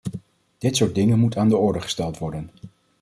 Dit soort dingen moet aan de orde gesteld worden.